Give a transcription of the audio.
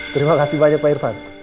terima kasih banyak pak irfan